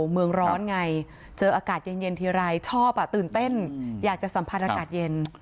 เมืองร้อนไงเจออากาศเย็นทีไรชอบตื่นเต้นอยากจะสัมผัสอากาศเย็น